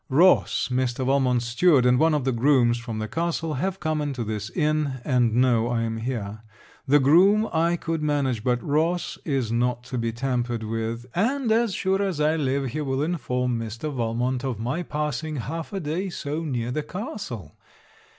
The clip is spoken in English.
Ross, Mr. Valmont's steward, and one of the grooms from the castle have come into this inn, and know I am here. The groom I could manage, but Ross is not to be tampered with; and as sure as I live, he will inform Mr. Valmont of my passing half a day so near the castle.